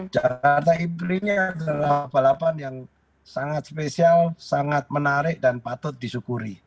jakarta impli ini adalah balapan yang sangat spesial sangat menarik dan patut disyukuri